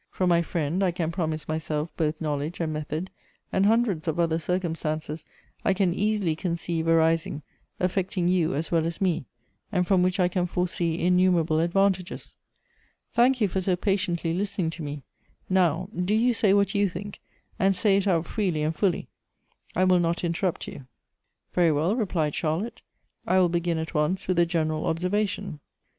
From my friend, I can promise my self both knowledge and method, and hundreds of other circumstances I can easily conceive arising, affecting you as well as me, and from which I can foresee innumerable advantages. Thank you for so patiently listening to me. Now, do you say what you think, and say it out fi eely and fully ; I will not interrupt you." " Very well," replied Charlotte ;" I will begin at once with a general observation.